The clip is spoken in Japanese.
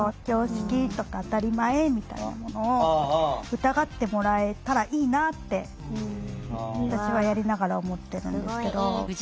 常識とか当たり前みたいなものを疑ってもらえたらいいなって私はやりながら思ってるんですけど。